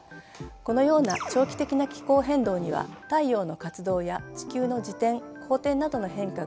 このような長期的な気候変動には太陽の活動や地球の自転・公転などの変化が深く関係しています。